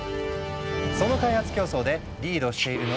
その開発競争でリードしているのが中国。